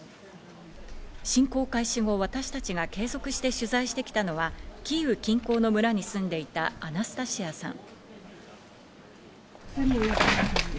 侵攻開始後、私たちが継続して取材してきたのは、キーウ近郊の村に住んでいたアナスタシアさん。